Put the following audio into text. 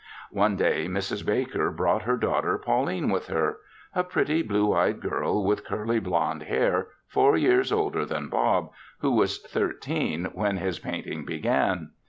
One day Mrs. Baker brought her daughter Pauline with her a pretty blue eyed girl with curly blonde hair, four years older than Bob, who was thirteen when his painting began.